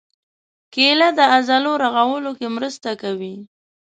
کېله د عضلو رغولو کې مرسته کوي.